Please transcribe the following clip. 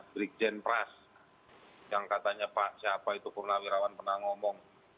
brigjen pras yang katanya pak siapa itu purnawirawan pernah ngomong